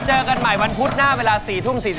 เจอกันใหม่วันพุธหน้าเวลา๔ทุ่ม๔๐